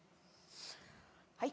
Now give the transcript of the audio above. はい。